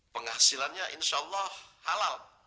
penghasilannya insya allah halal